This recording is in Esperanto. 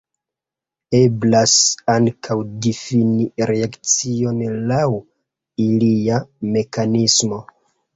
Eblas ankaŭ difini reakciojn laŭ ilia mekanismo.